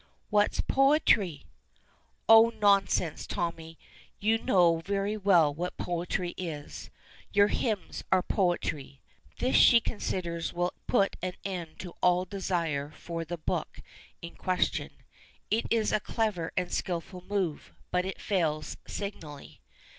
"What's poetry?" "Oh, nonsense, Tommy, you know very well what poetry is. Your hymns are poetry." This she considers will put an end to all desire for the book in question. It is a clever and skilful move, but it fails signally.